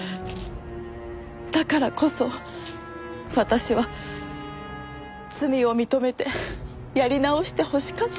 だからこそ私は罪を認めてやり直してほしかった。